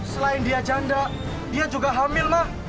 selain dia janda dia juga hamil mah